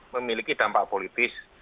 memiliki dampak politis